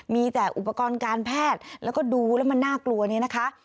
มีแต่อุปกรณ์การแพทย์แล้วก็ดูแล้วมันน่ากลัวเนี่ยนะคะ